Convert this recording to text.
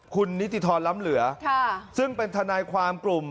คุณนิติธรรมล้ำเหลือซึ่งเป็นทนายความกลุ่ม